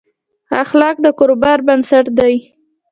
اخلاق د کاروبار بنسټ دي.